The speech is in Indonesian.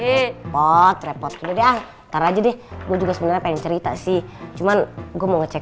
repot repot udah deh ah ntar aja deh gue juga sebenernya pengen cerita sih cuman gue mau ngecek